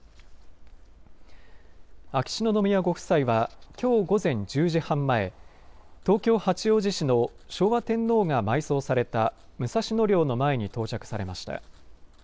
秋篠宮ご夫妻はきょう午前１０時半前、東京八王子市の昭和天皇が埋葬された武蔵野陵の前に到着されました。